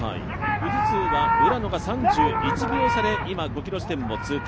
富士通は浦野が３１秒差で今、５ｋｍ地点を通過。